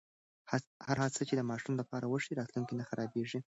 هره هڅه چې د ماشوم لپاره وشي، راتلونکی نه خرابېږي.